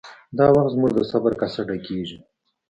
دا وخت زموږ د صبر کاسه ډکیږي